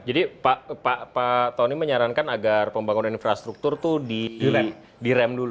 jadi pak tony menyarankan agar pembangunan infrastruktur itu direm dulu